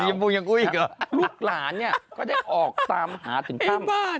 เมื่อก่อนหลังบุหริลูกหลานก็ได้ออกตามหาถึงต้ำ